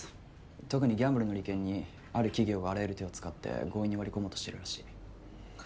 特にギャンブルの利権にある企業があらゆる手を使って強引に割り込もうとしてるらしい。